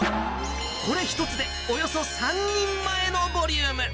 これ１つでおよそ３人前のボリューム。